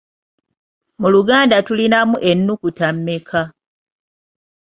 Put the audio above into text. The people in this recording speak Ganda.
Mu Luganda tulinamu ennukuta mmeka?